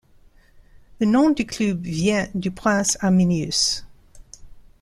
Le nom du club vient du prince Arminius.